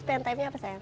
spend timenya apa sayang